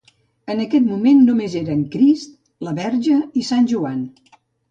En aquest moment només eren Crist, la Verge i Sant Joan.